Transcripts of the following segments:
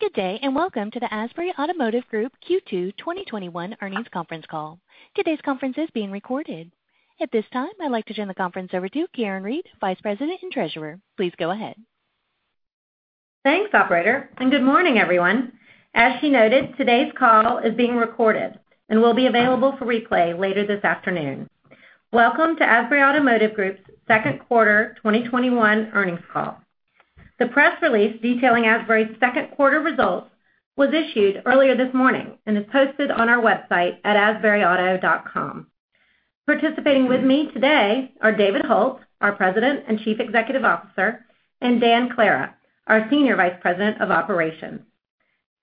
Good day, and welcome to the Asbury Automotive Group Q2 2021 earnings conference call. Today's conference is being recorded. At this time, I'd like to turn the conference over to Karen Reid, Vice President and Treasurer. Please go ahead. Thanks, operator. Good morning, everyone. As she noted, today's call is being recorded and will be available for replay later this afternoon. Welcome to Asbury Automotive Group's second quarter 2021 earnings call. The press release detailing Asbury's second quarter results was issued earlier this morning and is posted on our website at asburyauto.com. Participating with me today are David Hult, our President and Chief Executive Officer, and Dan Clara, our Senior Vice President of Operations.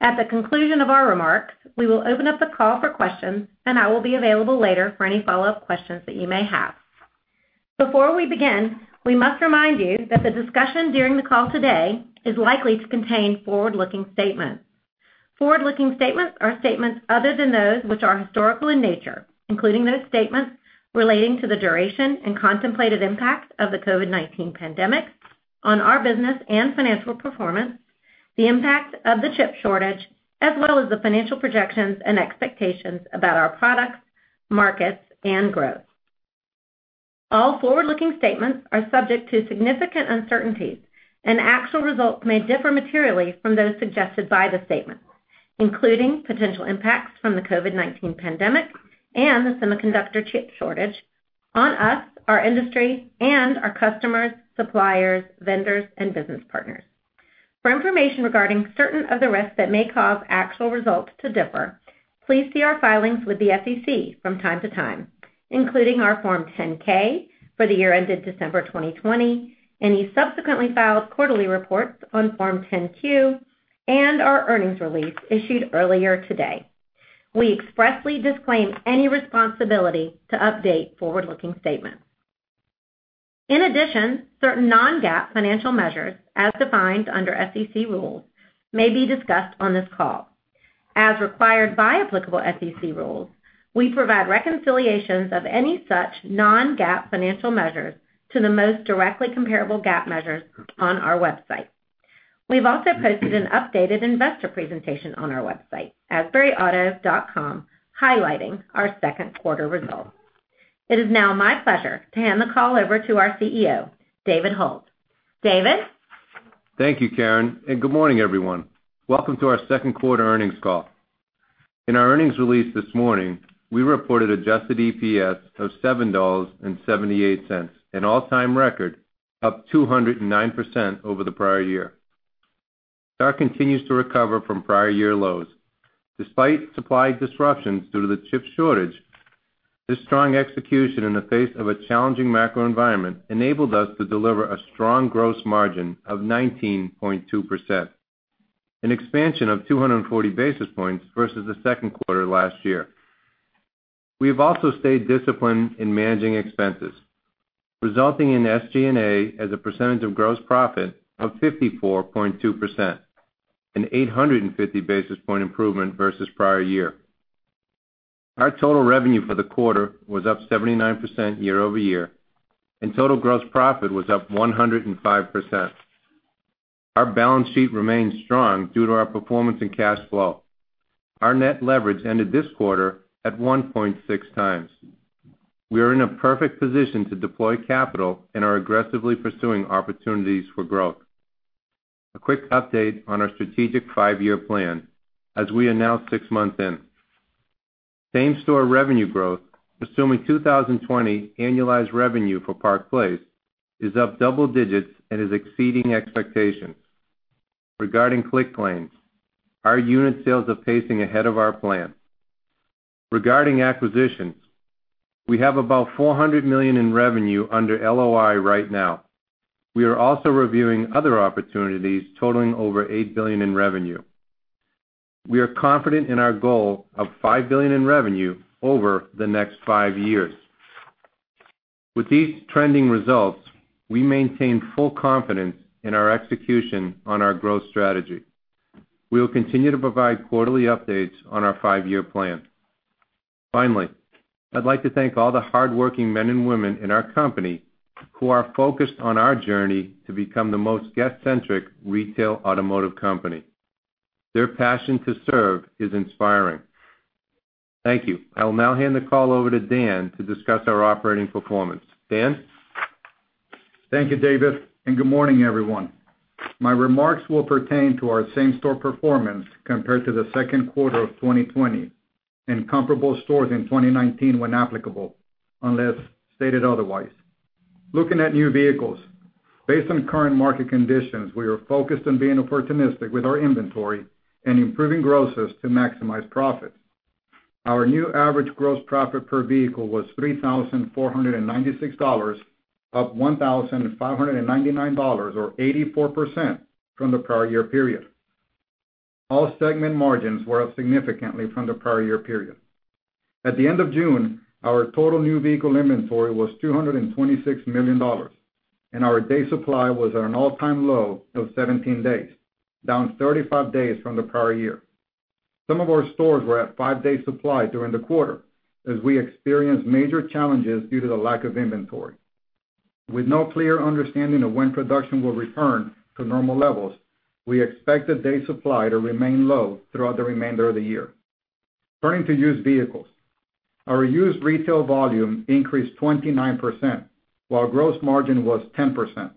At the conclusion of our remarks, we will open up the call for questions, and I will be available later for any follow-up questions that you may have. Before we begin, we must remind you that the discussion during the call today is likely to contain forward-looking statements. Forward-looking statements are statements other than those which are historical in nature, including those statements relating to the duration and contemplated impact of the COVID-19 pandemic on our business and financial performance, the impact of the chip shortage, as well as the financial projections and expectations about our products, markets, and growth. All forward-looking statements are subject to significant uncertainties, and actual results may differ materially from those suggested by the statements, including potential impacts from the COVID-19 pandemic and the semiconductor chip shortage on us, our industry, and our customers, suppliers, vendors, and business partners. For information regarding certain of the risks that may cause actual results to differ, please see our filings with the SEC from time to time, including our Form 10-K for the year ended December 2020, any subsequently filed quarterly reports on Form 10-Q, and our earnings release issued earlier today. We expressly disclaim any responsibility to update forward-looking statements. In addition, certain non-GAAP financial measures, as defined under SEC rules, may be discussed on this call. As required by applicable SEC rules, we provide reconciliations of any such non-GAAP financial measures to the most directly comparable GAAP measures on our website. We've also posted an updated investor presentation on our website, asburyauto.com, highlighting our second quarter results. It is now my pleasure to hand the call over to our CEO, David Hult. David? Thank you, Karen. Good morning, everyone. Welcome to our second quarter earnings call. In our earnings release this morning, we reported adjusted EPS of $7.78, an all-time record, up 209% over the prior year. That continues to recover from prior year lows. Despite supply disruptions due to the chip shortage, this strong execution in the face of a challenging macro environment enabled us to deliver a strong gross margin of 19.2%, an expansion of 240 basis points versus the second quarter last year. We have also stayed disciplined in managing expenses, resulting in SG&A as a percentage of gross profit of 54.2%, an 850 basis point improvement versus prior year. Our total revenue for the quarter was up 79% year-over-year, and total gross profit was up 105%. Our balance sheet remains strong due to our performance and cash flow. Our net leverage ended this quarter at 1.6x. We are in a perfect position to deploy capital and are aggressively pursuing opportunities for growth. A quick update on our strategic five-year plan as we are now six months in. Same-store revenue growth, assuming 2020 annualized revenue for Park Place, is up double digits and is exceeding expectations. Regarding Clicklane, our unit sales are pacing ahead of our plan. Regarding acquisitions, we have about $400 million in revenue under LOI right now. We are also reviewing other opportunities totaling over $8 billion in revenue. We are confident in our goal of $5 billion in revenue over the next five years. With these trending results, we maintain full confidence in our execution on our growth strategy. We will continue to provide quarterly updates on our five-year plan. Finally, I'd like to thank all the hardworking men and women in our company who are focused on our journey to become the most guest-centric retail automotive company. Their passion to serve is inspiring. Thank you. I will now hand the call over to Dan to discuss our operating performance. Dan? Thank you, David, and good morning, everyone. My remarks will pertain to our same-store performance compared to the second quarter of 2020 and comparable stores in 2019 when applicable, unless stated otherwise. Looking at new vehicles, based on current market conditions, we are focused on being opportunistic with our inventory and improving grosses to maximize profits. Our new average gross profit per vehicle was $3,496, up $1,599, or 84%, from the prior year period. All segment margins were up significantly from the prior year period. At the end of June, our total new vehicle inventory was $226 million, and our day supply was at an all-time low of 17 days, down 35 days from the prior year. Some of our stores were at five-day supply during the quarter as we experienced major challenges due to the lack of inventory. With no clear understanding of when production will return to normal levels, we expect the day supply to remain low throughout the remainder of the year. Turning to used vehicles. Our used retail volume increased 29%, while gross margin was 10%,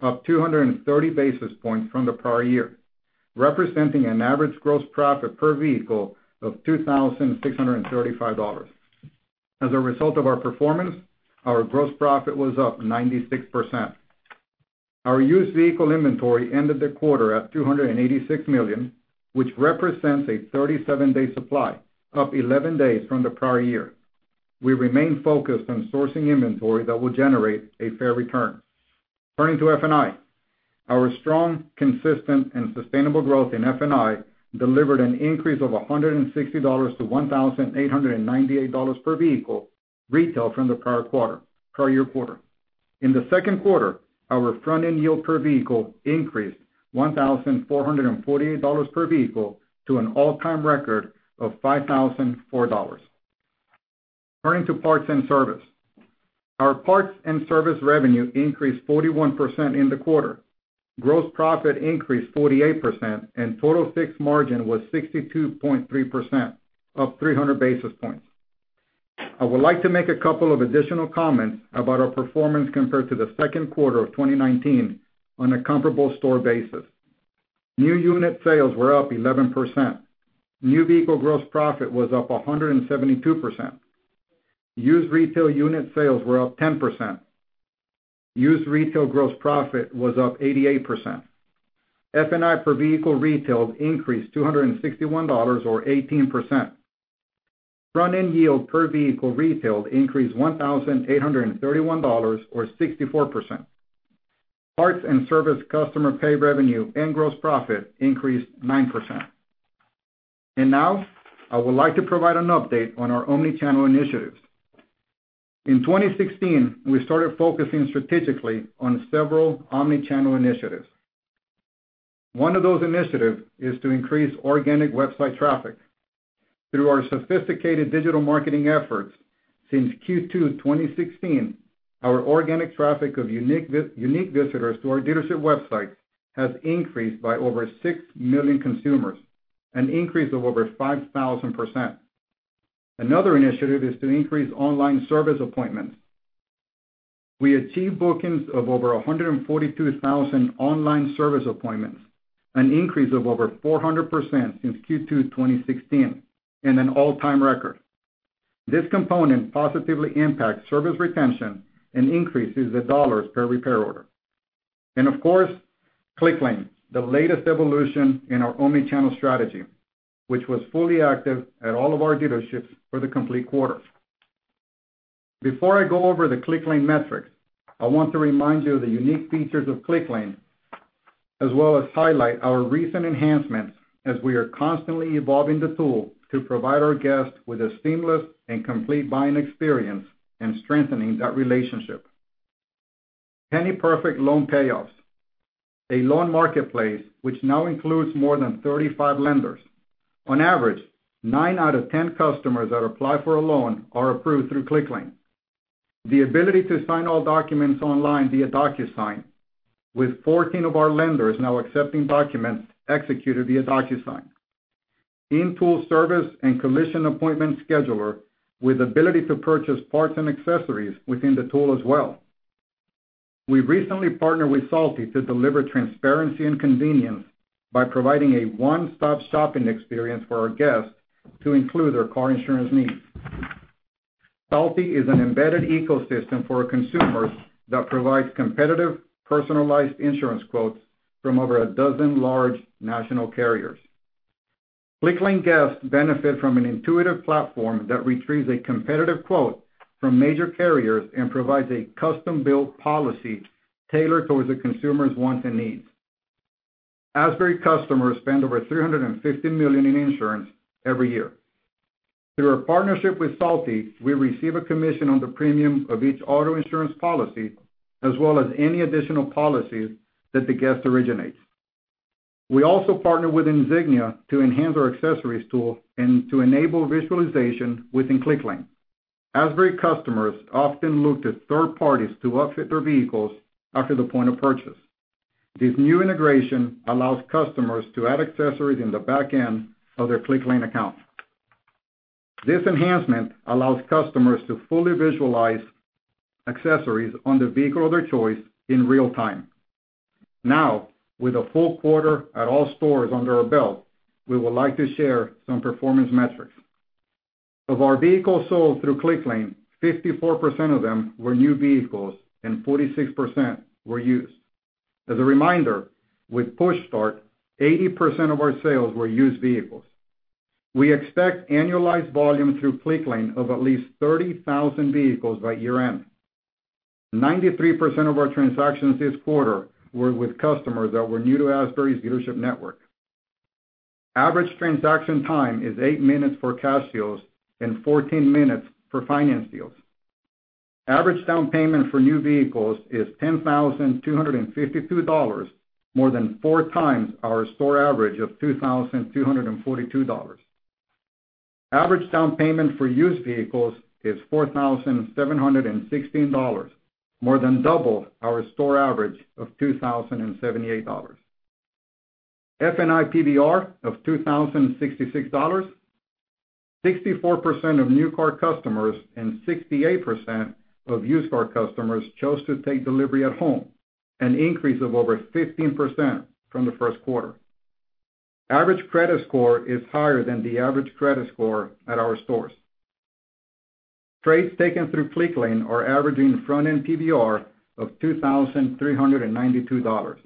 up 230 basis points from the prior year, representing an average gross profit per vehicle of $2,635. As a result of our performance, our gross profit was up 96%. Our used vehicle inventory ended the quarter at $286 million, which represents a 37-day supply, up 11 days from the prior year. We remain focused on sourcing inventory that will generate a fair return. Turning to F&I. Our strong, consistent, and sustainable growth in F&I delivered an increase of $160-$1,898 per vehicle retail from the prior year quarter. In the second quarter, our front-end yield per vehicle increased $1,448 per vehicle to an all-time record of $5,004. Turning to parts and service. Our parts and service revenue increased 41% in the quarter. Gross profit increased 48%, and total fixed margin was 62.3%, up 300 basis points. I would like to make a couple of additional comments about our performance compared to the second quarter of 2019 on a comparable store basis. New unit sales were up 11%. New vehicle gross profit was up 172%. Used retail unit sales were up 10%. Used retail gross profit was up 88%. F&I per vehicle retailed increased $261 or 18%. Front-end yield per vehicle retailed increased $1,831 or 64%. Parts and service customer pay revenue and gross profit increased 9%. Now, I would like to provide an update on our omni-channel initiatives. In 2016, we started focusing strategically on several omni-channel initiatives. One of those initiatives is to increase organic website traffic. Through our sophisticated digital marketing efforts since Q2 2016, our organic traffic of unique visitors to our dealership website has increased by over 6 million consumers, an increase of over 5,000%. Another initiative is to increase online service appointments. We achieved bookings of over 142,000 online service appointments, an increase of over 400% since Q2 2016 and an all-time record. This component positively impacts service retention and increases the dollars per repair order. Of course, Clicklane, the latest evolution in our omni-channel strategy, which was fully active at all of our dealerships for the complete quarter. Before I go over the Clicklane metrics, I want to remind you of the unique features of Clicklane, as well as highlight our recent enhancements as we are constantly evolving the tool to provide our guests with a seamless and complete buying experience and strengthening that relationship. Penny-perfect loan payoffs, a loan marketplace which now includes more than 35 lenders. On average, nine out of 10 customers that apply for a loan are approved through Clicklane. The ability to sign all documents online via Docusign, with 14 of our lenders now accepting documents executed via Docusign. In-tool service and collision appointment scheduler with ability to purchase parts and accessories within the tool as well. We've recently partnered with Salty to deliver transparency and convenience by providing a one-stop shopping experience for our guests to include their car insurance needs. Salty is an embedded ecosystem for consumers that provides competitive, personalized insurance quotes from over a dozen large national carriers. Clicklane guests benefit from an intuitive platform that retrieves a competitive quote from major carriers and provides a custom-built policy tailored towards the consumer's wants and needs. Asbury customers spend over $350 million in insurance every year. Through our partnership with Salty, we receive a commission on the premium of each auto insurance policy, as well as any additional policies that the guest originates. We also partnered with Insignia to enhance our accessories tool and to enable visualization within Clicklane. Asbury customers often look to third parties to outfit their vehicles after the point of purchase. This new integration allows customers to add accessories in the back end of their Clicklane account. This enhancement allows customers to fully visualize accessories on the vehicle of their choice in real time. Now, with a full quarter at all stores under our belt, we would like to share some performance metrics. Of our vehicles sold through Clicklane, 54% of them were new vehicles and 46% were used. As a reminder, with PushStart, 80% of our sales were used vehicles. We expect annualized volume through Clicklane of at least 30,000 vehicles by year-end. 93% of our transactions this quarter were with customers that were new to Asbury's dealership network. Average transaction time is eight minutes for cash deals and 14 minutes for finance deals. Average down payment for new vehicles is $10,252, more than four times our store average of $2,242. Average down payment for used vehicles is $4,716, more than double our store average of $2,078. F&I PVR of $2,066. 64% of new car customers and 68% of used car customers chose to take delivery at home, an increase of over 15% from the first quarter. Average credit score is higher than the average credit score at our stores. Trades taken through Clicklane are averaging front-end PVR of $2,392.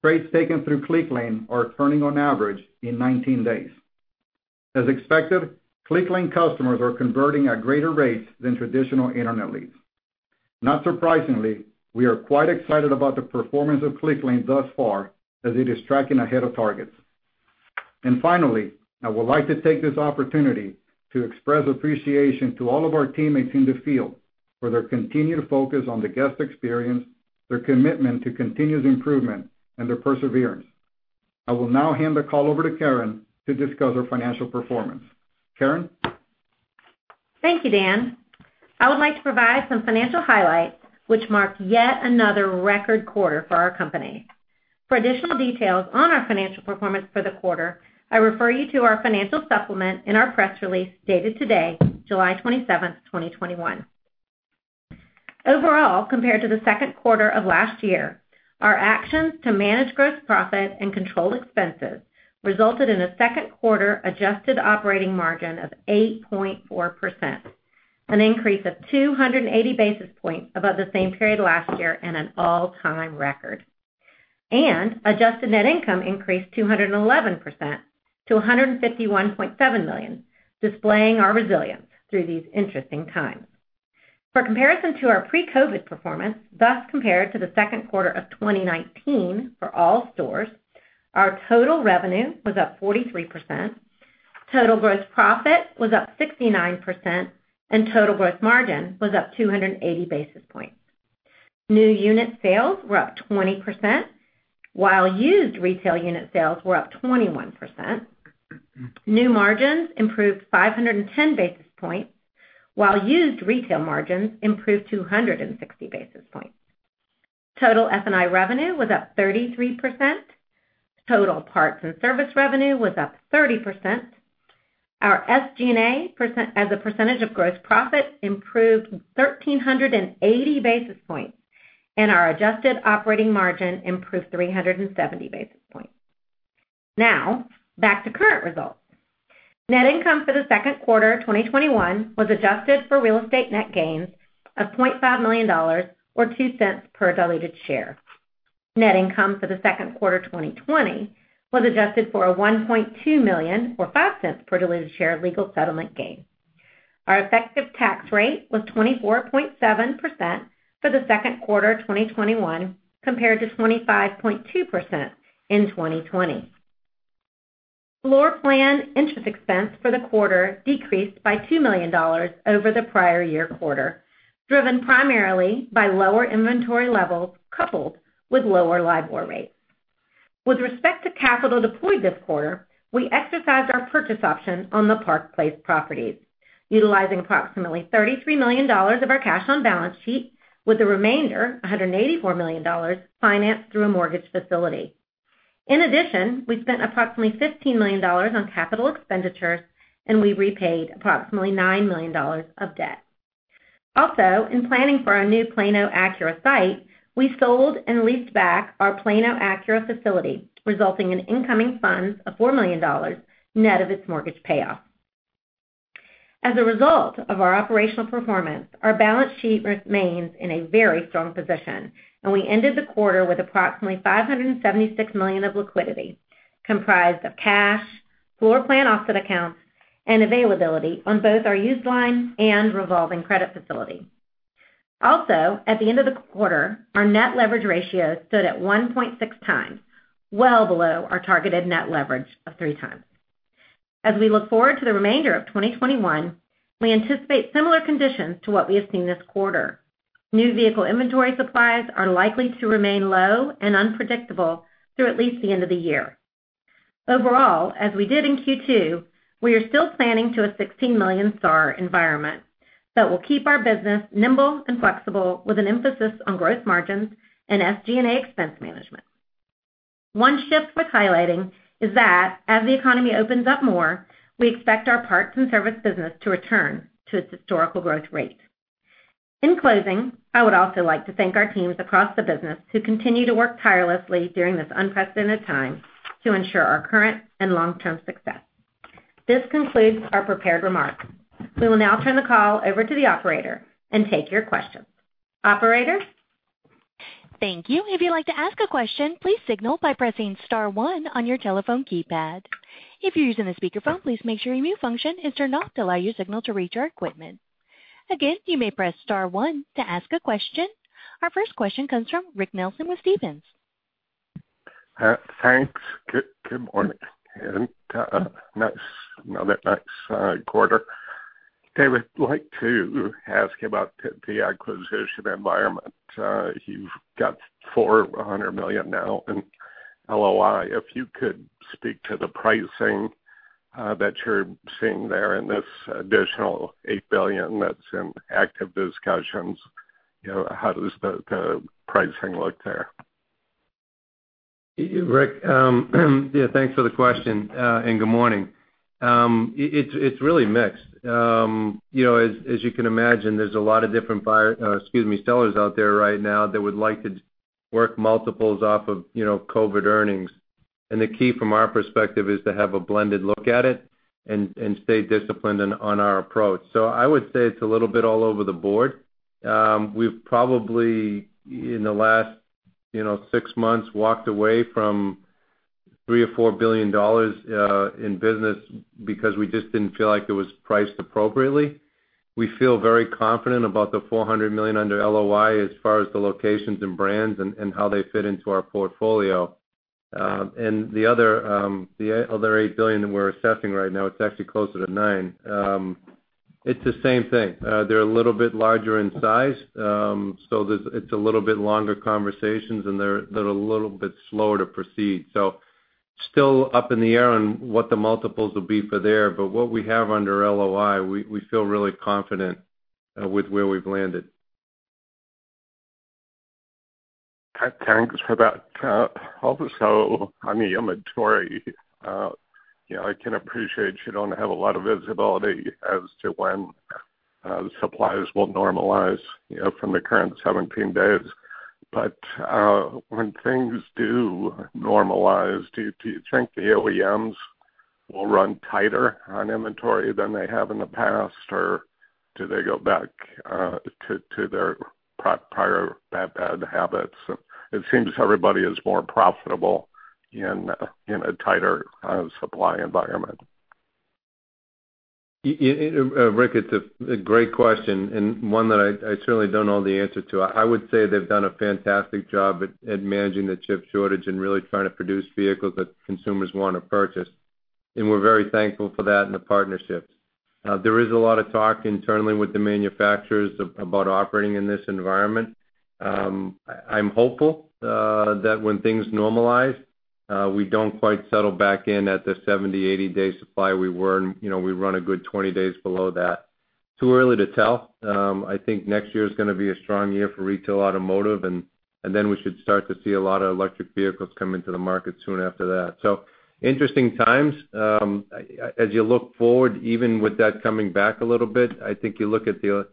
Trades taken through Clicklane are turning on average in 19 days. As expected, Clicklane customers are converting at greater rates than traditional internet leads. Not surprisingly, we are quite excited about the performance of Clicklane thus far, as it is tracking ahead of targets. Finally, I would like to take this opportunity to express appreciation to all of our teammates in the field for their continued focus on the guest experience, their commitment to continuous improvement, and their perseverance. I will now hand the call over to Karen to discuss our financial performance. Karen? Thank you, Dan. I would like to provide some financial highlights which mark yet another record quarter for our company. For additional details on our financial performance for the quarter, I refer you to our financial supplement in our press release dated today, July 27th, 2021. Overall, compared to the second quarter of last year, our actions to manage gross profit and control expenses resulted in a second quarter adjusted operating margin of 8.4%, an increase of 280 basis points above the same period last year and an all-time record. Adjusted net income increased 211% to $151.7 million, displaying our resilience through these interesting times. For comparison to our pre-COVID-19 performance, thus compared to the second quarter of 2019 for all stores, our total revenue was up 43%, total gross profit was up 69%, and total gross margin was up 280 basis points. New unit sales were up 20%, while used retail unit sales were up 21%. New margins improved 510 basis points, while used retail margins improved 260 basis points. Total F&I revenue was up 33%. Total parts and service revenue was up 30%. Our SG&A as a percentage of gross profit improved 1,380 basis points, and our adjusted operating margin improved 370 basis points. Back to current results. Net income for the second quarter 2021 was adjusted for real estate net gains of $0.5 million, or $0.02 per diluted share. Net income for the second quarter 2020 was adjusted for a $1.2 million, or $0.05 per diluted share, legal settlement gain. Our effective tax rate was 24.7% for the second quarter 2021, compared to 25.2% in 2020. Floorplan interest expense for the quarter decreased by $2 million over the prior year quarter, driven primarily by lower inventory levels coupled with lower LIBOR rates. With respect to capital deployed this quarter, we exercised our purchase option on the Park Place properties, utilizing approximately $33 million of our cash on balance sheet, with the remainder, $184 million, financed through a mortgage facility. In addition, we spent approximately $15 million on capital expenditures, and we repaid approximately $9 million of debt. Also, in planning for our new Plano Acura site, we sold and leased back our Plano Acura facility, resulting in incoming funds of $4 million, net of its mortgage payoff. As a result of our operational performance, our balance sheet remains in a very strong position, and we ended the quarter with approximately $576 million of liquidity, comprised of cash, floor plan offset accounts, and availability on both our used line and revolving credit facility. Also, at the end of the quarter, our net leverage ratio stood at 1.6x, well below our targeted net leverage of 3x. As we look forward to the remainder of 2021, we anticipate similar conditions to what we have seen this quarter. New vehicle inventory supplies are likely to remain low and unpredictable through at least the end of the year. Overall, as we did in Q2, we are still planning to a 16 million SAAR environment that will keep our business nimble and flexible, with an emphasis on growth margins and SG&A expense management. One shift worth highlighting is that as the economy opens up more, we expect our parts and service business to return to its historical growth rate. In closing, I would also like to thank our teams across the business who continue to work tirelessly during this unprecedented time to ensure our current and long-term success. This concludes our prepared remarks. We will now turn the call over to the operator and take your questions. Operator? Thank you. If you'd like to ask a question, please signal by pressing star one on your telephone keypad. If you're using a speakerphone, please make sure your mute function is turned off to allow your signal to reach our equipment. Again, you may press star one to ask a question. Our first question comes from Rick Nelson with Stephens. Thanks. Good morning, and another nice quarter, David, I'd like to ask about the acquisition environment. You've got $400 million now in LOI. If you could speak to the pricing that you're seeing there in this additional $8 billion that's in active discussions, how does the pricing look there? Rick, yeah, thanks for the question, good morning. It's really mixed. As you can imagine, there's a lot of different buyers, sellers out there right now that would like to work multiples off of COVID-19 earnings. The key from our perspective is to have a blended look at it and stay disciplined on our approach. I would say it's a little bit all over the board. We've probably, in the last six months, walked away from $3 billion or $4 billion in business because we just didn't feel like it was priced appropriately. We feel very confident about the $400 million under LOI as far as the locations and brands and how they fit into our portfolio. The other $8 billion that we're assessing right now, it's actually closer to $ 9 billion, it's the same thing. They're a little bit larger in size, it's a little bit longer conversations, they're a little bit slower to proceed. Still up in the air on what the multiples will be for there, what we have under LOI, we feel really confident with where we've landed. Thanks for that. On the inventory, I can appreciate you don't have a lot of visibility as to when supplies will normalize from the current 17 days. When things do normalize, do you think the OEMs will run tighter on inventory than they have in the past? Do they go back to their prior bad habits? It seems everybody is more profitable in a tighter supply environment. Rick, it's a great question and one that I certainly don't know the answer to. I would say they've done a fantastic job at managing the chip shortage and really trying to produce vehicles that consumers want to purchase. We're very thankful for that and the partnerships. There is a lot of talk internally with the manufacturers about operating in this environment. I'm hopeful that when things normalize, we don't quite settle back in at the 70, 80-day supply we were in. We run a good 20 days below that. Too early to tell. I think next year is going to be a strong year for retail automotive, and then we should start to see a lot of electric vehicles come into the market soon after that. Interesting times. As you look forward, even with that coming back a little bit, I think you look at the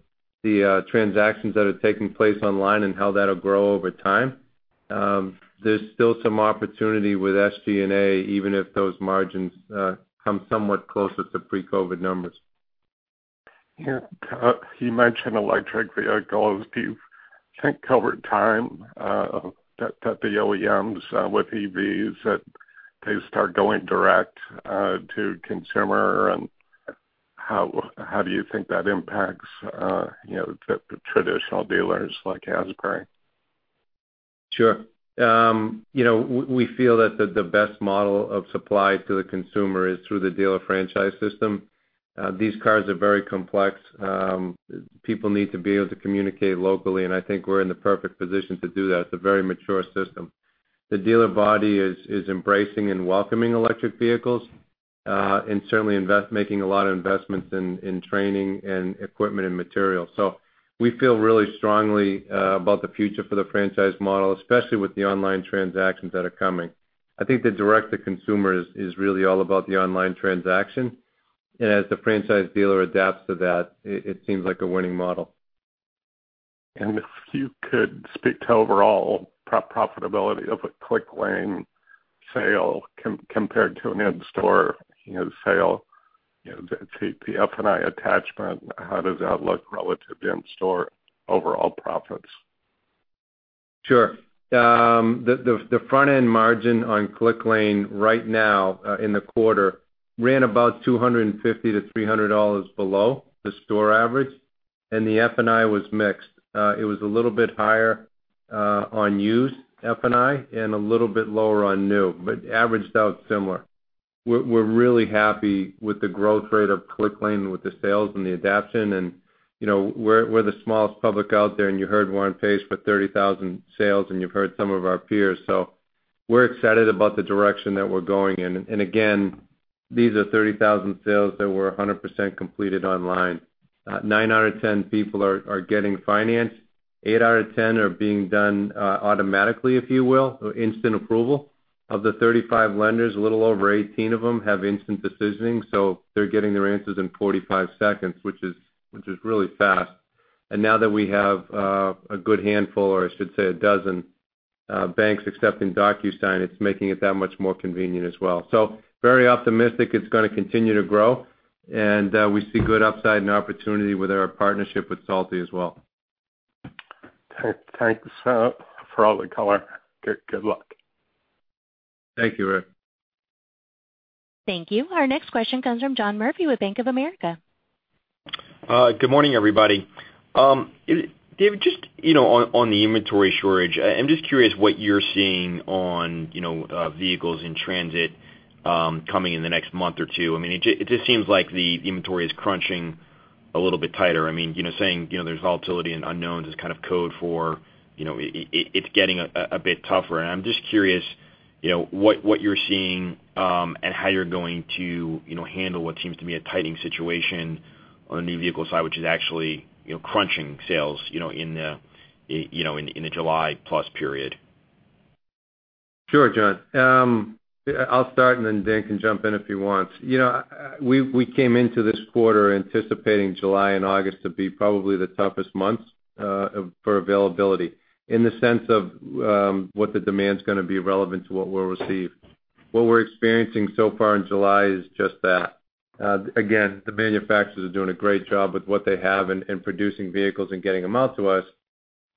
transactions that are taking place online and how that'll grow over time. There's still some opportunity with SG&A, even if those margins come somewhat closer to pre-COVID numbers. Yeah. You mentioned electric vehicles. Do you think over time that the OEMs with EVs that they start going direct to consumer? How do you think that impacts the traditional dealers like Asbury? Sure. We feel that the best model of supply to the consumer is through the dealer franchise system. These cars are very complex. People need to be able to communicate locally, and I think we're in the perfect position to do that. It's a very mature system. The dealer body is embracing and welcoming electric vehicles, and certainly making a lot of investments in training and equipment and material. We feel really strongly about the future for the franchise model, especially with the online transactions that are coming. I think the direct to consumer is really all about the online transaction. As the franchise dealer adapts to that, it seems like a winning model. If you could speak to overall profitability of a Clicklane sale compared to an in-store sale, the F&I attachment, how does that look relative to in-store overall profits? The front-end margin on Clicklane right now in the quarter ran about $250-$300 below the store average. The F&I was mixed. It was a little bit higher on used F&I and a little bit lower on new, but averaged out similar. We're really happy with the growth rate of Clicklane with the sales and the adaptation. We're the smallest public out there. You heard Warren Pace with 30,000 sales. You've heard some of our peers. We're excited about the direction that we're going in. Again, these are 30,000 sales that were 100% completed online. nine out of 10 people are getting financed. eight out of 10 are being done automatically, if you will, instant approval. Of the 35 lenders, a little over 18 of them have instant decisioning. They're getting their answers in 45 seconds, which is really fast. Now that we have a good handful, or I should say dozen banks accepting Docusign, it's making it that much more convenient as well. Very optimistic it's going to continue to grow, and we see good upside and opportunity with our partnership with Salty as well. Thanks for all the color. Good luck. Thank you, Rick. Thank you. Our next question comes from John Murphy with Bank of America. Good morning, everybody. David, just on the inventory shortage, I'm just curious what you're seeing on vehicles in transit coming in the next month or two. It just seems like the inventory is crunching a little bit tighter. Saying there's volatility and unknowns is kind of code for it's getting a bit tougher. I'm just curious what you're seeing, and how you're going to handle what seems to be a tightening situation on the new vehicle side, which is actually crunching sales in the July plus period. Sure, John. I'll start and then Dan can jump in if he wants. We came into this quarter anticipating July and August to be probably the toughest months for availability in the sense of what the demand's going to be relevant to what we'll receive. What we're experiencing so far in July is just that. The manufacturers are doing a great job with what they have in producing vehicles and getting them out to us.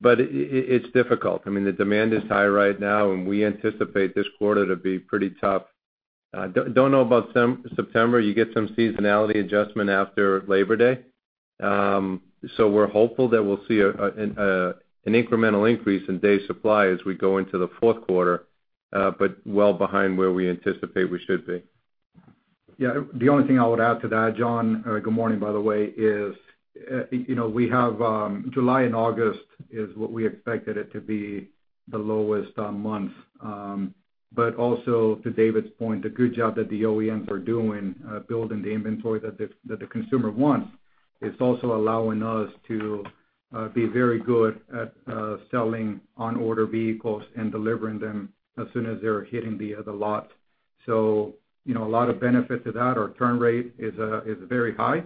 It's difficult. The demand is high right now, and we anticipate this quarter to be pretty tough. Don't know about September. You get some seasonality adjustment after Labor Day. We're hopeful that we'll see an incremental increase in day supply as we go into the fourth quarter, but well behind where we anticipate we should be. The only thing I would add to that, John, good morning, by the way, is July and August is what we expected it to be the lowest month. Also to David's point, the good job that the OEMs are doing building the inventory that the consumer wants is also allowing us to be very good at selling on-order vehicles and delivering them as soon as they're hitting the other lot. A lot of benefit to that. Our turn rate is very high.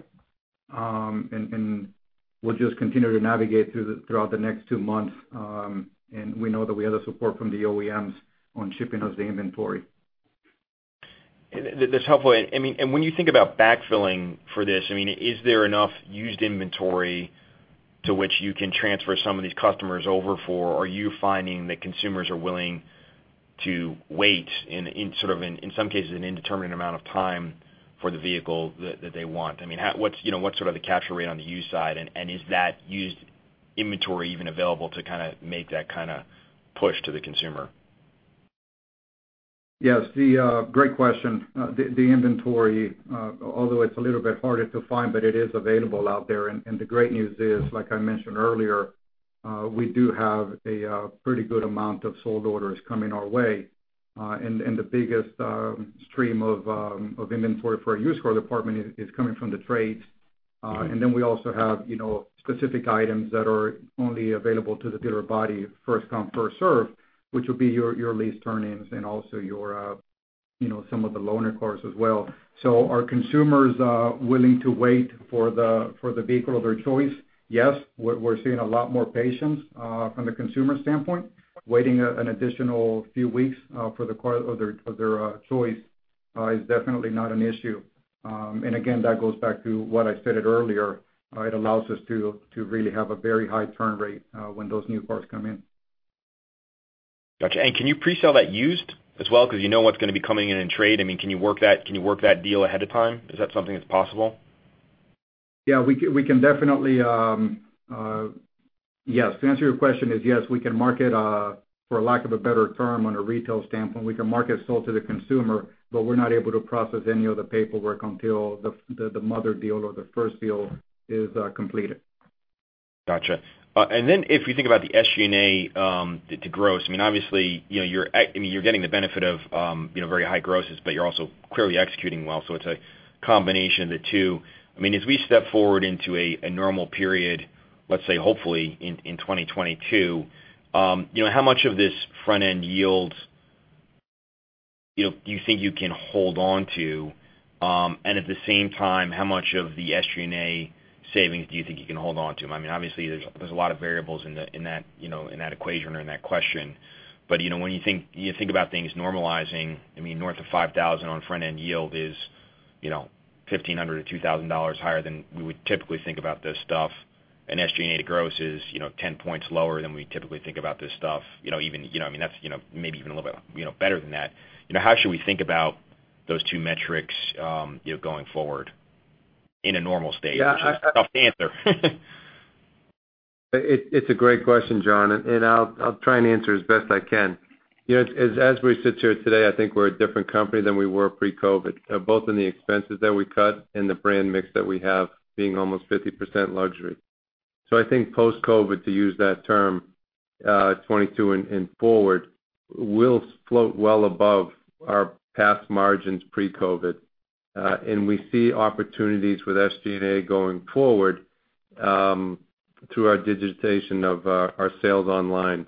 We'll just continue to navigate throughout the next two months. We know that we have the support from the OEMs on shipping us the inventory. That's helpful. When you think about backfilling for this, is there enough used inventory to which you can transfer some of these customers over for? Are you finding that consumers are willing to wait in some cases an indeterminate amount of time for the vehicle that they want? What's sort of the capture rate on the used side, and is that used inventory even available to kind of make that push to the consumer? Yes. Great question. The inventory although it's a little bit harder to find, but it is available out there. The great news is, like I mentioned earlier, we do have a pretty good amount of sold orders coming our way. The biggest stream of inventory for our used car department is coming from the trades. We also have specific items that are only available to the dealer body, first come, first served, which will be your lease turn-ins and also some of the loaner cars as well. Are consumers willing to wait for the vehicle of their choice? Yes. We're seeing a lot more patience from the consumer standpoint. Waiting an additional few weeks for the car of their choice is definitely not an issue. Again, that goes back to what I stated earlier. It allows us to really have a very high turn rate when those new cars come in. Got you. Can you pre-sell that used as well because you know what's going to be coming in in trade? Can you work that deal ahead of time? Is that something that's possible? Yes. To answer your question is yes, we can market, for lack of a better term on a retail standpoint, we can mark it sold to the consumer, we're not able to process any of the paperwork until the mother deal or the first deal is completed. Got you. If you think about the SG&A to gross, obviously, you're getting the benefit of very high grosses, but you're also clearly executing well. It's a combination of the two. As we step forward into a normal period, let's say hopefully in 2022, how much of this front-end yield do you think you can hold on to? At the same time, how much of the SG&A savings do you think you can hold on to? Obviously, there's a lot of variables in that equation or in that question. When you think about things normalizing, north of $5,000 on front-end yield is $1,500-$2,000 higher than we would typically think about this stuff. SG&A to gross is 10 points lower than we typically think about this stuff. Maybe even a little bit better than that. How should we think about those two metrics going forward in a normal state? Which is a tough answer. It's a great question, John. I'll try and answer as best I can. As we sit here today, I think we're a different company than we were pre-COVID, both in the expenses that we cut and the brand mix that we have being almost 50% luxury. I think post-COVID, to use that term, 2022 and forward will float well above our past margins pre-COVID. We see opportunities with SG&A going forward through our digitization of our sales online.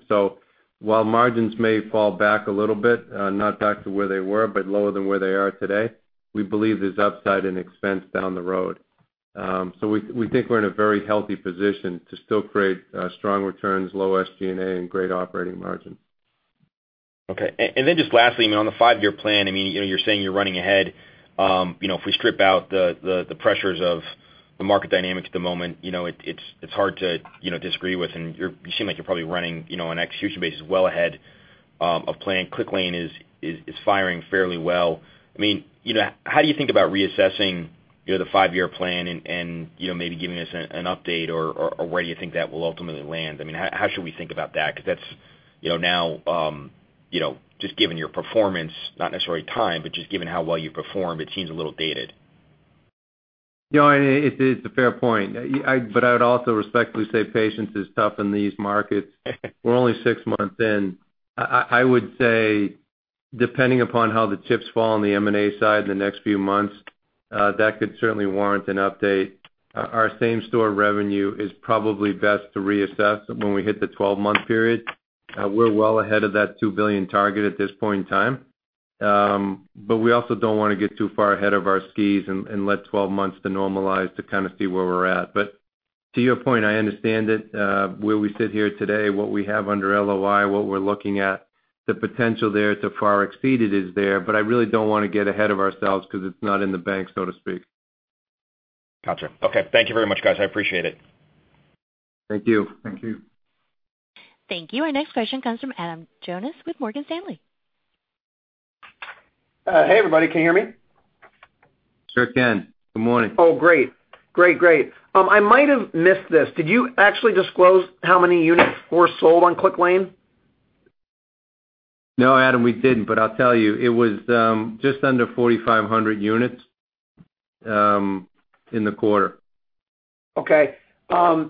While margins may fall back a little bit, not back to where they were, but lower than where they are today, we believe there's upside in expense down the road. We think we're in a very healthy position to still create strong returns, low SG&A, and great operating margin. Okay. Then just lastly, on the five-year plan, you're saying you're running ahead. If we strip out the pressures of the market dynamics at the moment, it's hard to disagree with. You seem like you're probably running on execution basis well ahead of plan. Clicklane is firing fairly well. How do you think about reassessing the five-year plan and maybe giving us an update, or where do you think that will ultimately land? How should we think about that because that's now, just given your performance, not necessarily time, but just given how well you've performed, it seems a little dated. No, it's a fair point. I would also respectfully say patience is tough in these markets. We're only six months in. I would say depending upon how the chips fall on the M&A side in the next few months, that could certainly warrant an update. Our same-store revenue is probably best to reassess when we hit the 12-month period. We're well ahead of that $2 billion target at this point in time. We also don't want to get too far ahead of our skis and let 12 months to normalize to kind of see where we're at. To your point, I understand it. Where we sit here today, what we have under LOI, what we're looking at, the potential there to far exceed it is there, but I really don't want to get ahead of ourselves because it's not in the bank, so to speak. Got you. Okay. Thank you very much, guys. I appreciate it. Thank you. Thank you. Thank you. Our next question comes from Adam Jonas with Morgan Stanley. Hey, everybody. Can you hear me? Sure can. Good morning. Oh, great. I might have missed this. Did you actually disclose how many units were sold on Clicklane? No, Adam, we didn't. I'll tell you, it was just under 4,500 units in the quarter. Okay.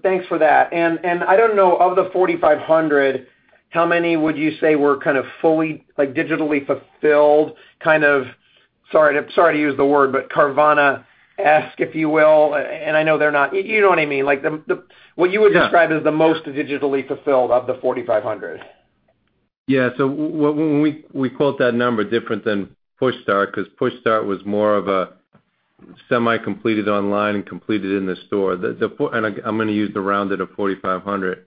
Thanks for that. I don't know, of the 4,500, how many would you say were kind of fully digitally fulfilled, kind of, sorry to use the word, but Carvana-esque, if you will. You know what I mean, like what you would describe as the most digitally fulfilled of the 4,500. We quote that number different than PushStart because PushStart was more of a semi-completed online and completed in the store. I'm going to use the rounded of 4,500.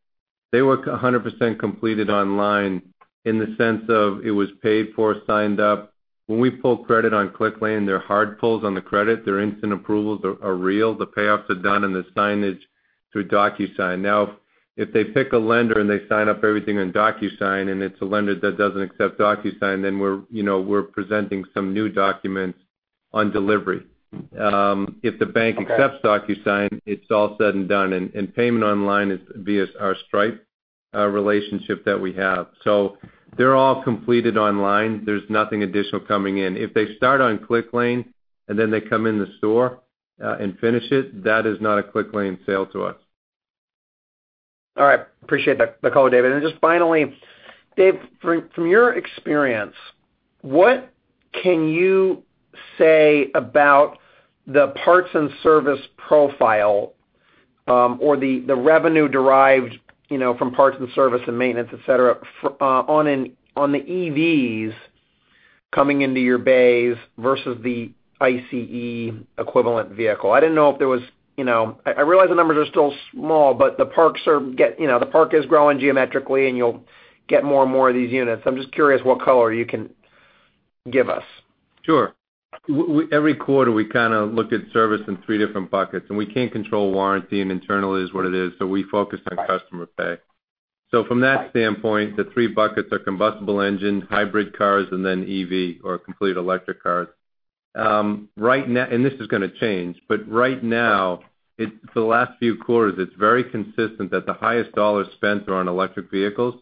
They were 100% completed online in the sense of it was paid for, signed up. When we pull credit on Clicklane, they're hard pulls on the credit, their instant approvals are real, the payoffs are done, and the signage through Docusign. If they pick a lender and they sign up everything on Docusign, and it's a lender that doesn't accept Docusign, then we're presenting some new documents on delivery. If the bank accepts Docusign, it's all said and done, and payment online is via our Stripe relationship that we have. They're all completed online. There's nothing additional coming in. If they start on Clicklane, and then they come in the store and finish it, that is not a Clicklane sale to us. All right. Appreciate that color, David. Just finally, Dave, from your experience, what can you say about the parts and service profile, or the revenue derived from parts and service and maintenance, et cetera, on the EVs coming into your bays versus the ICE-equivalent vehicle? I realize the numbers are still small, but the park is growing geometrically, and you'll get more and more of these units. I'm just curious what color you can give us. Sure. Every quarter, we kind of look at service in three different buckets, and we can't control warranty, and internal is what it is, so we focus on customer pay. Right. From that standpoint, the three buckets are combustible engine, hybrid cars, and then EV or complete electric cars. This is going to change, but right now, the last few quarters, it's very consistent that the highest dollar spends are on electric vehicles.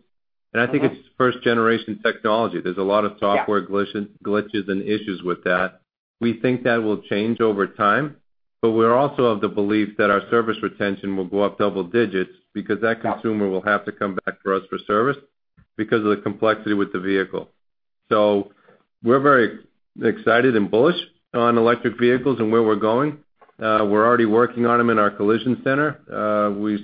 I think it's first-generation technology. There's a lot of software glitches and issues with that. We think that will change over time. We're also of the belief that our service retention will go up double digits because that consumer will have to come back to us for service because of the complexity with the vehicle. We're very excited and bullish on electric vehicles and where we're going. We're already working on them in our collision center. We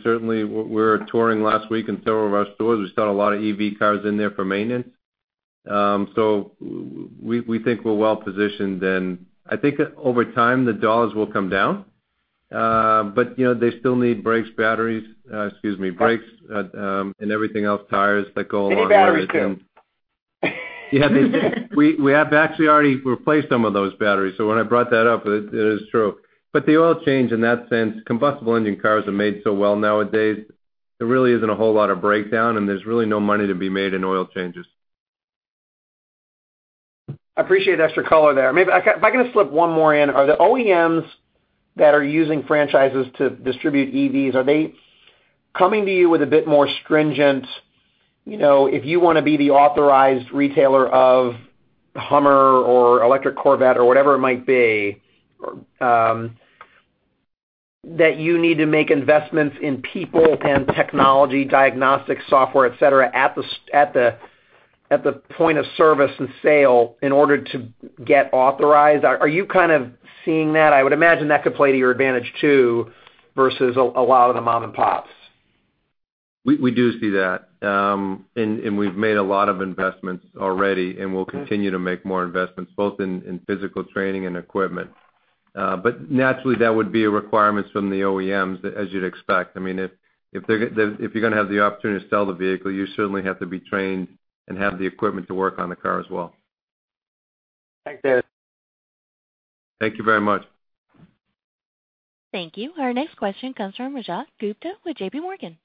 were touring last week in several of our stores. We saw a lot of EV cars in there for maintenance. We think we're well-positioned, and I think over time, the dollars will come down. They still need brakes and everything else, tires that go along with it. They need batteries too. We have actually already replaced some of those batteries. When I brought that up, it is true. The oil change in that sense, combustible engine cars are made so well nowadays, there really isn't a whole lot of breakdown, and there's really no money to be made in oil changes. I appreciate the extra color there. If I can just slip one more in, are the OEMs that are using franchises to distribute EVs, are they coming to you with a bit more stringent, if you want to be the authorized retailer of Hummer or electric Corvette or whatever it might be, that you need to make investments in people and technology, diagnostic software, et cetera, at the point of service and sale in order to get authorized? Are you kind of seeing that? I would imagine that could play to your advantage, too, versus a lot of the mom and pops. We do see that. We've made a lot of investments already, and we'll continue to make more investments both in physical training and equipment. Naturally, that would be a requirement from the OEMs, as you'd expect. If you're going to have the opportunity to sell the vehicle, you certainly have to be trained and have the equipment to work on the car as well. Thanks, David. Thank you very much. Thank you. Our next question comes from Rajat Gupta with JPMorgan.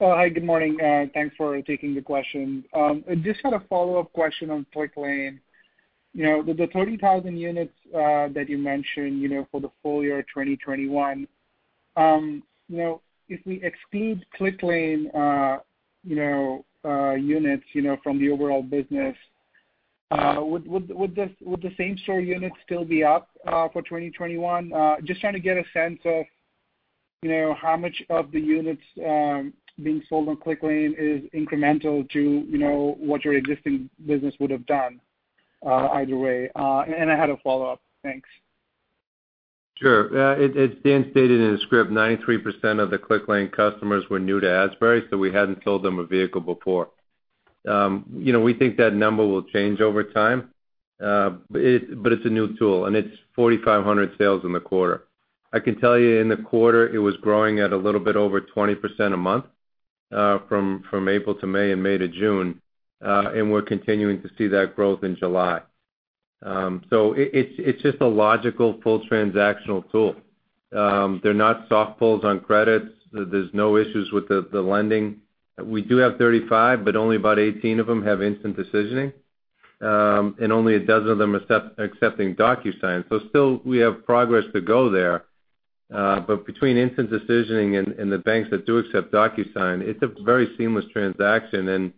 Hi, good morning. Thanks for taking the question. I just had a follow-up question on Clicklane, with the 30,000 units that you mentioned for the full year 2021, if we exclude Clicklane units from the overall business, would the same store units still be up for 2021? Just trying to get a sense of how much of the units being sold on Clicklane is incremental to what your existing business would have done either way. I had a follow-up. Thanks. Sure. As Dan stated in the script, 93% of the Clicklane customers were new to Asbury, so we hadn't sold them a vehicle before. We think that number will change over time, but it's a new tool, and it's 4,500 sales in the quarter. I can tell you in the quarter, it was growing at a little bit over 20% a month from April to May and May to June. We're continuing to see that growth in July. It's just a logical full transactional tool. They're not soft pulls on credits. There's no issues with the lending. We do have 35, but only about 18 of them have instant decisioning. Only a dozen of them accepting Docusign. Still, we have progress to go there. Between instant decisioning and the banks that do accept Docusign, it's a very seamless transaction.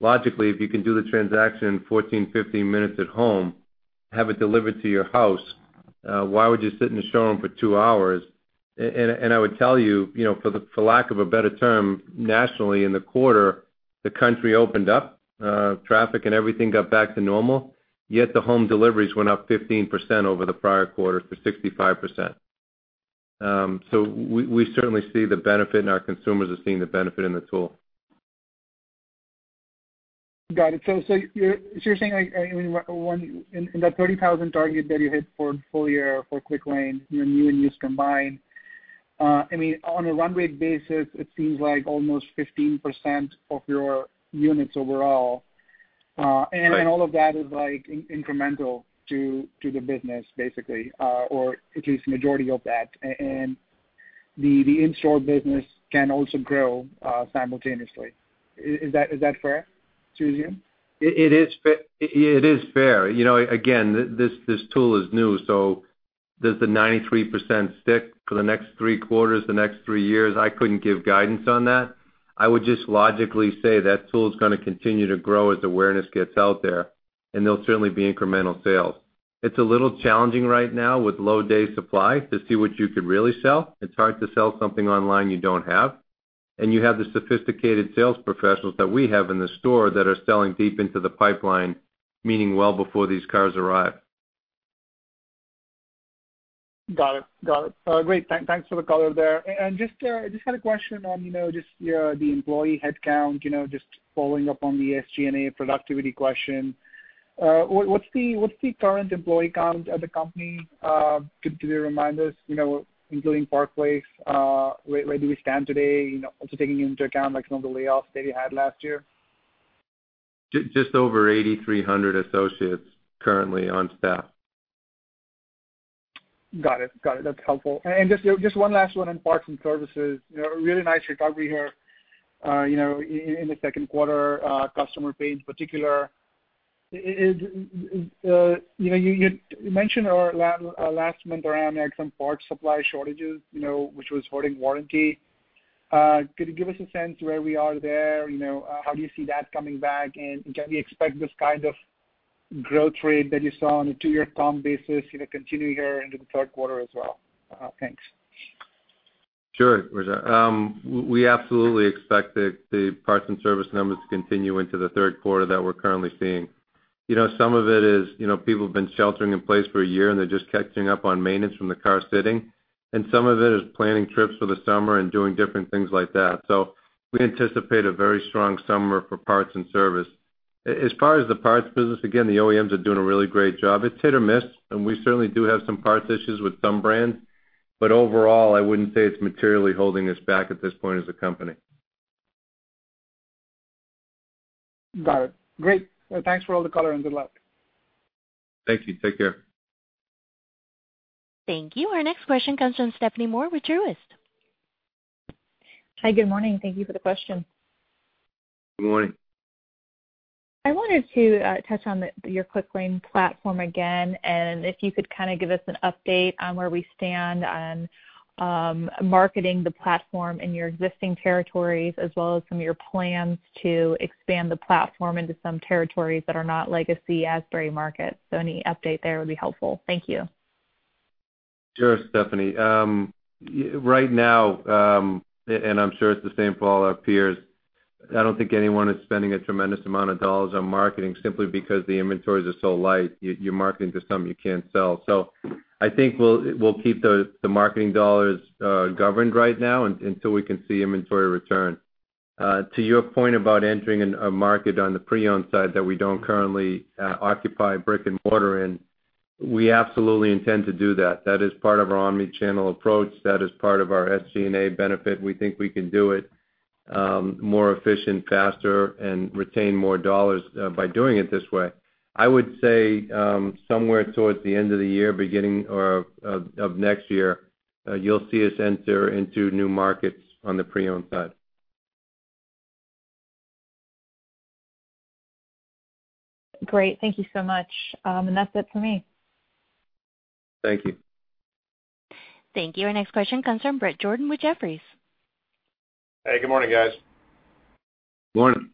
Logically, if you can do the transaction in 14 minutes, 15 minutes at home, have it delivered to your house, why would you sit in the showroom for two hours? I would tell you, for lack of a better term, nationally in the quarter, the country opened up. Traffic and everything got back to normal, yet the home deliveries went up 15% over the prior quarter to 65%. We certainly see the benefit, and our consumers are seeing the benefit in the tool. Got it. You're saying, in that 30,000 target that you hit for full year for Clicklane, new and used combined, on a run rate basis, it seems like almost 15% of your units overall. Right. All of that is incremental to the business, basically or at least majority of that. The in-store business can also grow simultaneously. Is that fair to assume? It is fair. Again, this tool is new, does the 93% stick for the next three quarters, the next three years? I couldn't give guidance on that. I would just logically say that tool's going to continue to grow as awareness gets out there, and there'll certainly be incremental sales. It's a little challenging right now with low day supply to see what you could really sell. It's hard to sell something online you don't have. You have the sophisticated sales professionals that we have in the store that are selling deep into the pipeline, meaning well before these cars arrive. Got it. Great. Thanks for the color there. Just had a question on just the employee headcount, just following up on the SG&A productivity question. What's the current employee count at the company? Could you remind us, including Park Place where do we stand today, also taking into account some of the layoffs that you had last year? Just over 8,300 associates currently on staff. Got it. That's helpful. Just one last one on parts and services. Really nice recovery here in the second quarter, customer pay in particular. You mentioned last month around some parts supply shortages which was holding warranty. Could you give us a sense where we are there? How do you see that coming back? Can we expect this kind of growth rate that you saw on a two-year comp basis continue here into the third quarter as well? Thanks. Sure, Rajat. We absolutely expect the parts and service numbers to continue into the third quarter that we're currently seeing. Some of it is people have been sheltering in place for a year, and they're just catching up on maintenance from the car sitting. Some of it is planning trips for the summer and doing different things like that. We anticipate a very strong summer for parts and service. As far as the parts business, again, the OEMs are doing a really great job. It's hit or miss, and we certainly do have some parts issues with some brands. Overall, I wouldn't say it's materially holding us back at this point as a company. Got it. Great. Thanks for all the color and good luck. Thank you. Take care. Thank you. Our next question comes from Stephanie Moore with Truist. Hi, good morning. Thank you for the question. Good morning. I wanted to touch on your Clicklane platform again, and if you could kind of give us an update on where we stand on marketing the platform in your existing territories as well as some of your plans to expand the platform into some territories that are not legacy Asbury markets. Any update there would be helpful. Thank you. Sure, Stephanie. Right now, and I'm sure it's the same for all our peers, I don't think anyone is spending a tremendous amount of dollars on marketing simply because the inventories are so light. You're marketing to something you can't sell. I think we'll keep the marketing dollars governed right now until we can see inventory return. To your point about entering a market on the pre-owned side that we don't currently occupy brick and mortar in, we absolutely intend to do that. That is part of our omni-channel approach. That is part of our SG&A benefit. We think we can do it more efficient, faster, and retain more dollars by doing it this way. I would say somewhere towards the end of the year, beginning of next year, you'll see us enter into new markets on the pre-owned side. Great. Thank you so much. That's it for me. Thank you. Thank you. Our next question comes from Bret Jordan with Jefferies. Hey, good morning, guys. Morning.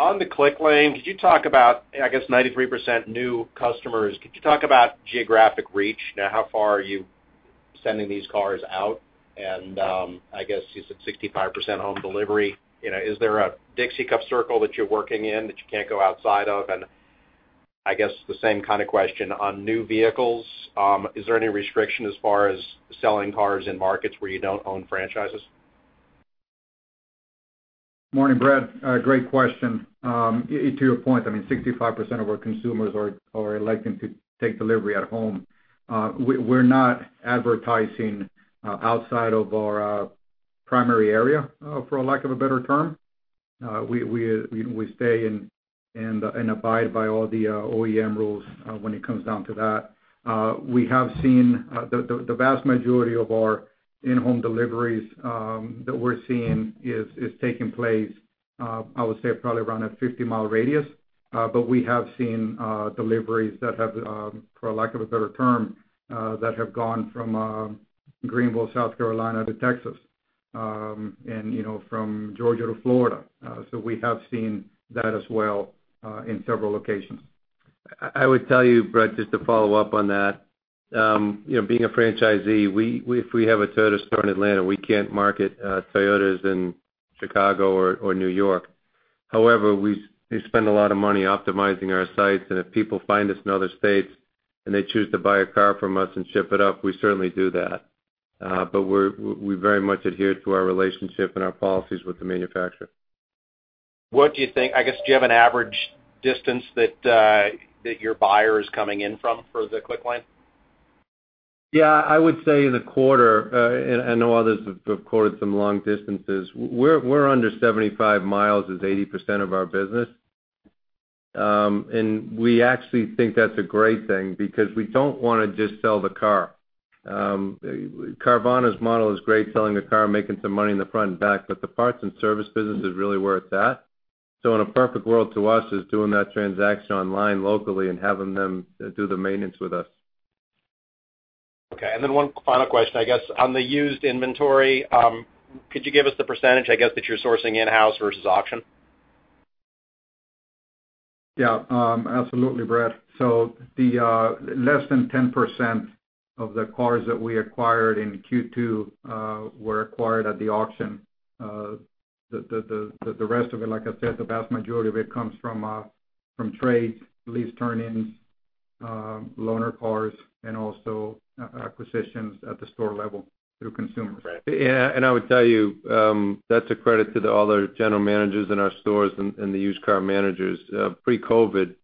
On the Clicklane, could you talk about, I guess 93% new customers. Could you talk about geographic reach now? How far are you sending these cars out? I guess you said 65% home delivery. Is there a Dixie Cup circle that you're working in that you can't go outside of? I guess the same kind of question on new vehicles. Is there any restriction as far as selling cars in markets where you don't own franchises? Morning, Bret. Great question. To your point, 65% of our consumers are electing to take delivery at home. We're not advertising outside of our primary area, for lack of a better term. We stay and abide by all the OEM rules when it comes down to that. The vast majority of our in-home deliveries that we're seeing is taking place, I would say, probably around a 50 mi radius. We have seen deliveries that have, for lack of a better term, gone from Greenville, South Carolina, to Texas, and from Georgia to Florida. We have seen that as well in several locations. I would tell you, Bret, just to follow up on that. Being a franchisee, if we have a Toyota store in Atlanta, we can't market Toyotas in Chicago or New York. We spend a lot of money optimizing our sites, and if people find us in other states and they choose to buy a car from us and ship it up, we certainly do that. We very much adhere to our relationship and our policies with the manufacturer. What do you think? I guess, do you have an average distance that your buyer is coming in from for the Clicklane? I would say in the quarter, I know others have quoted some long distances. We're under 75 mi is 80% of our business. We actually think that's a great thing because we don't want to just sell the car. Carvana's model is great, selling the car, making some money in the front and back, but the parts and service business is really where it's at. In a perfect world to us is doing that transaction online locally and having them do the maintenance with us. Okay. Then one final question, I guess on the used inventory, could you give us the percentage, I guess, that you're sourcing in-house versus auction? Yeah. Absolutely, Bret. Less than 10% of the cars that we acquired in Q2 were acquired at the auction. The rest of it, like I said, the vast majority of it comes from trades, lease turn-ins, loaner cars, and also acquisitions at the store level through consumers. I would tell you, that's a credit to all our general managers in our stores and the used car managers. Pre-COVID,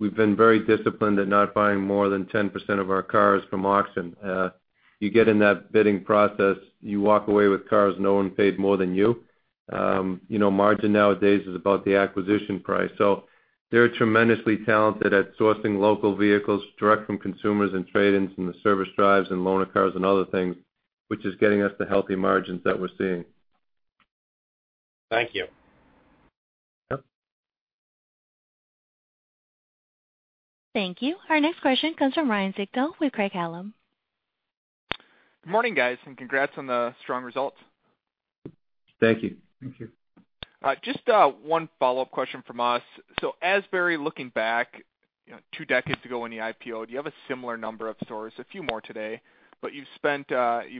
we've been very disciplined at not buying more than 10% of our cars from auction. You get in that bidding process, you walk away with cars no one paid more than you. Margin nowadays is about the acquisition price. They're tremendously talented at sourcing local vehicles direct from consumers and trade-ins from the service drives and loaner cars and other things, which is getting us the healthy margins that we're seeing. Thank you. Yep. Thank you. Our next question comes from Ryan Sigdahl with Craig-Hallum. Good morning, guys, and congrats on the strong results. Thank you. Thank you. Just one follow-up question from us. Asbury, looking back two decades ago when you IPO'd, you have a similar number of stores, a few more today, but you've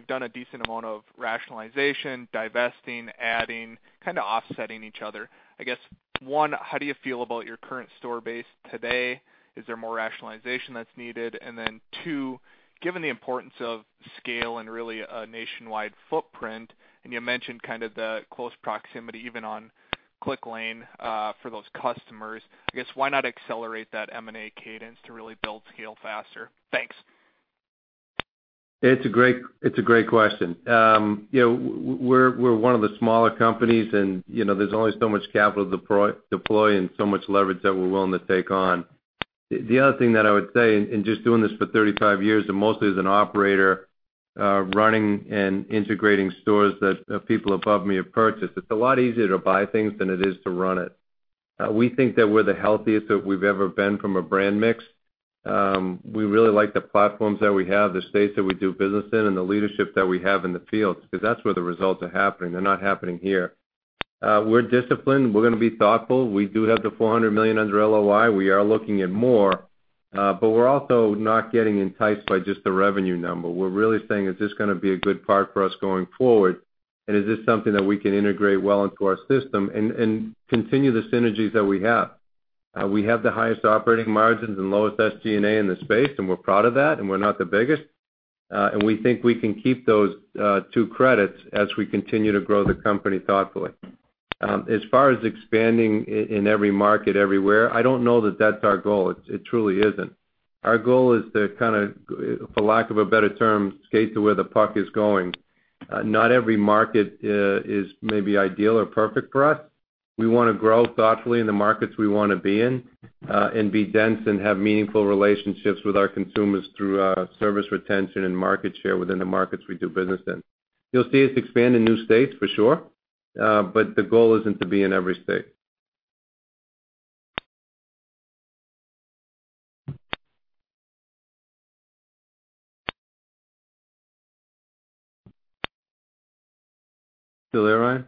done a decent amount of rationalization, divesting, adding, kind of offsetting each other. I guess one, how do you feel about your current store base today? Is there more rationalization that's needed? Two, given the importance of scale and really a nationwide footprint, and you mentioned kind of the close proximity even on Clicklane for those customers. I guess why not accelerate that M&A cadence to really build scale faster? Thanks. It's a great question. We're one of the smaller companies, and there's only so much capital to deploy and so much leverage that we're willing to take on. The other thing that I would say, in just doing this for 35 years, and mostly as an operator running and integrating stores that people above me have purchased, it's a lot easier to buy things than it is to run it. We think that we're the healthiest that we've ever been from a brand mix. We really like the platforms that we have, the states that we do business in, and the leadership that we have in the field, because that's where the results are happening. They're not happening here. We're disciplined. We're going to be thoughtful. We do have the $400 million under LOI. We are looking at more. We're also not getting enticed by just the revenue number. We're really saying, is this going to be a good part for us going forward? Is this something that we can integrate well into our system and continue the synergies that we have? We have the highest operating margins and lowest SG&A in the space. We're proud of that, and we're not the biggest. We think we can keep those two credits as we continue to grow the company thoughtfully. As far as expanding in every market everywhere, I don't know that that's our goal. It truly isn't. Our goal is to kind of, for lack of a better term, skate to where the puck is going. Not every market is maybe ideal or perfect for us. We want to grow thoughtfully in the markets we want to be in and be dense and have meaningful relationships with our consumers through service retention and market share within the markets we do business in. You'll see us expand in new states for sure. The goal isn't to be in every state. Still there, Ryan?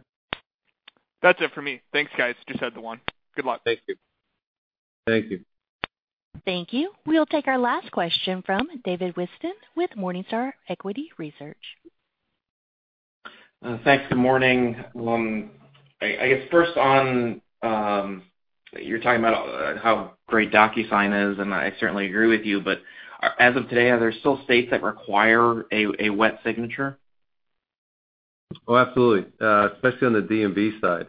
That's it for me. Thanks, guys. Just had the one. Good luck. Thank you. Thank you. We'll take our last question from David Whiston with Morningstar Equity Research. Thanks. Good morning. I guess first on You're talking about how great Docusign is, and I certainly agree with you, but as of today, are there still states that require a wet signature? Oh, absolutely. Especially on the DMV side.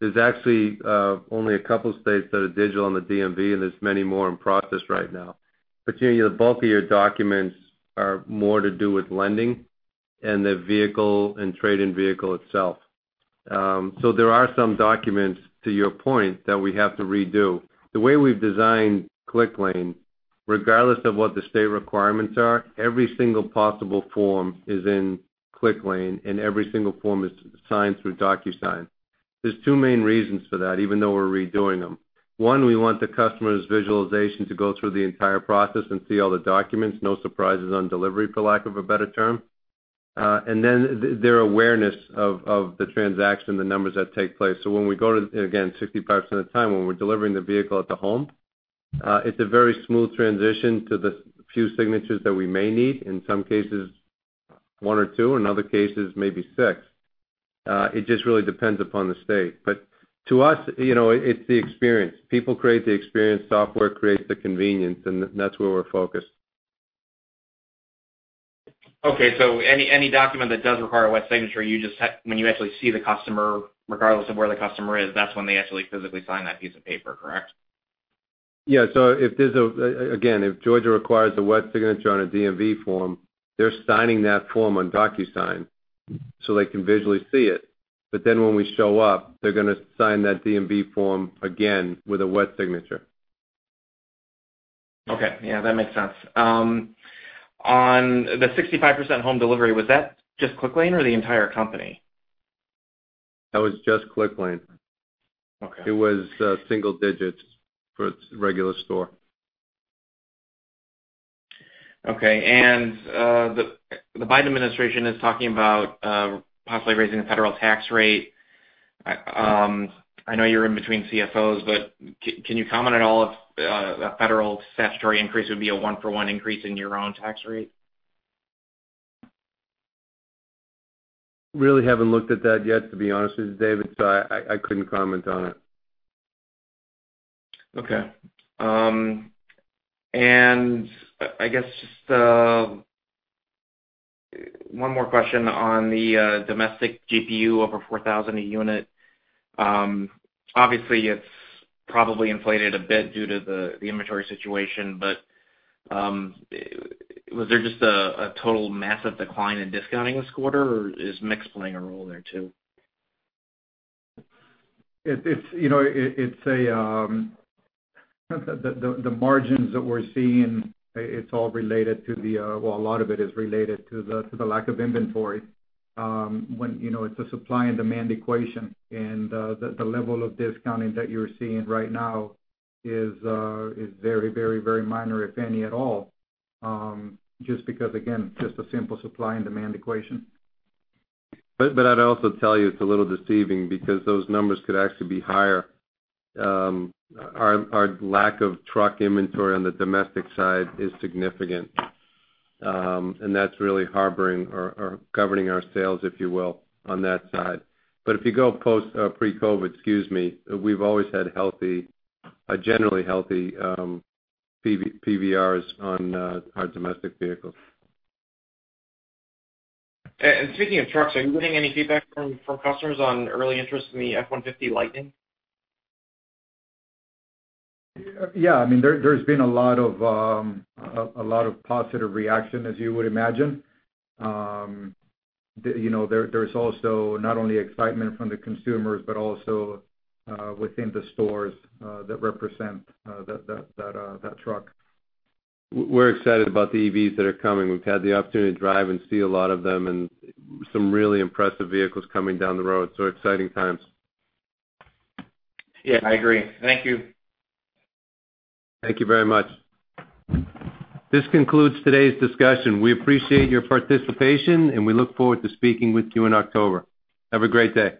There's actually only a couple states that are digital on the DMV, and there's many more in process right now. The bulk of your documents are more to do with lending and the vehicle and trade-in vehicle itself. There are some documents, to your point, that we have to redo. The way we've designed Clicklane, regardless of what the state requirements are, every single possible form is in Clicklane, and every single form is signed through Docusign. There's two main reasons for that, even though we're redoing them. one, we want the customer's visualization to go through the entire process and see all the documents, no surprises on delivery, for lack of a better term. Their awareness of the transaction, the numbers that take place. When we go to, again, 65% of the time when we're delivering the vehicle at the home, it's a very smooth transition to the few signatures that we may need. In some cases, one or two. In other cases, maybe six. It just really depends upon the state. To us, it's the experience. People create the experience, software creates the convenience, and that's where we're focused. Any document that does require a wet signature, when you actually see the customer, regardless of where the customer is, that's when they actually physically sign that piece of paper, correct? Yeah. Again, if Georgia requires a wet signature on a DMV form, they're signing that form on Docusign so they can visually see it. When we show up, they're going to sign that DMV form again with a wet signature. Okay. Yeah, that makes sense. On the 65% home delivery, was that just Clicklane or the entire company? That was just Clicklane. Okay. It was single digits for regular store. Okay. The Biden administration is talking about possibly raising the federal tax rate. I know you're in between CFOs, but can you comment at all if a federal statutory increase would be a one-for-one increase in your own tax rate? Really haven't looked at that yet, to be honest with you, David, so I couldn't comment on it. Okay. I guess just one more question on the domestic GPU over $4,000 a unit. Obviously, it's probably inflated a bit due to the inventory situation, but was there just a total massive decline in discounting this quarter, or is mix playing a role there, too? The margins that we're seeing, it's all related to the Well, a lot of it is related to the lack of inventory. It's a supply and demand equation, and the level of discounting that you're seeing right now is very minor, if any at all, just because, again, just a simple supply and demand equation. I'd also tell you it's a little deceiving because those numbers could actually be higher. Our lack of truck inventory on the domestic side is significant, and that's really harboring or governing our sales, if you will, on that side. If you go post Pre-COVID, excuse me, we've always had generally healthy PVRs on our domestic vehicles. Speaking of trucks, are you getting any feedback from customers on early interest in the F-150 Lightning? There's been a lot of positive reaction, as you would imagine. There's also not only excitement from the consumers, but also within the stores that represent that truck. We're excited about the EVs that are coming. We've had the opportunity to drive and see a lot of them and some really impressive vehicles coming down the road. Exciting times. Yeah, I agree. Thank you. Thank you very much. This concludes today's discussion. We appreciate your participation, and we look forward to speaking with you in October. Have a great day.